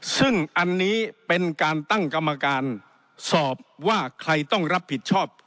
ซึ่งอันนี้เป็นการตั้งกรรมการสอบว่าใครต้องรับผิดชอบ